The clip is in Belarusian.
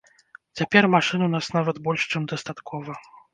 Цяпер машын у нас нават больш, чым дастаткова.